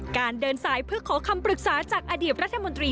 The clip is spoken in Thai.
เดินสายเพื่อขอคำปรึกษาจากอดีตรัฐมนตรี